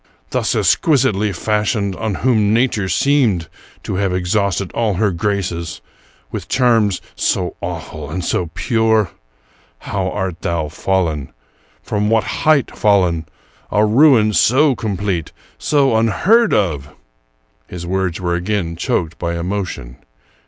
— thus exquisitely fashioned, — on whom nature seemed to have exhausted all her graces ; with charms so awful and so pure! how art thou fallen! From what height fallen! A ruin so complete, — so un heard of! " His words were again choked by emotion.